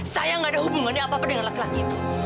saya nggak ada hubungannya apa apa dengan laki laki itu